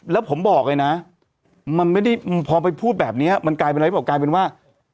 แล้วผมบอกเลยนะมันไม่ได้พอไปพูดแบบนี้มันกลายเป็นอะไรหรือเปล่ากลายเป็นว่า